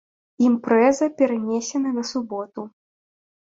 Імпрэза перанесены на суботу!